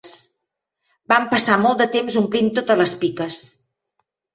Vam passar molt de temps omplint totes les piques